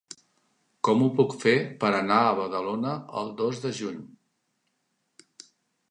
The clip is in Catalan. Com ho puc fer per anar a Badalona el dos de juny?